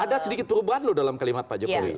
ada sedikit perubahan loh dalam kalimat pak jokowi